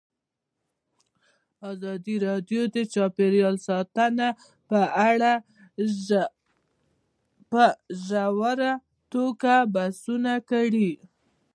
ازادي راډیو د چاپیریال ساتنه په اړه په ژوره توګه بحثونه کړي.